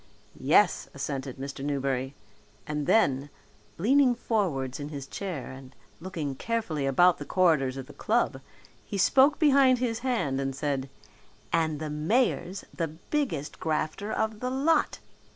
"Yes," assented Mr. Newberry, and then, leaning forwards in his chair and looking carefully about the corridors of the club, he spoke behind his hand and said, "And the mayor's the biggest grafter of the lot.